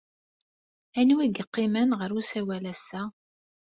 Anwa ay yeqqimen ɣer usawal ass-a?